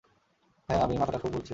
হ্যাঁ, আমি — মাথাটা খুব ঘুরছে।